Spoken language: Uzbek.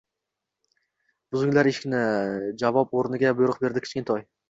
Buzinglar eshikni, javob o`rniga buyruq berdi Kichkintoy